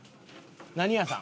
何屋さん？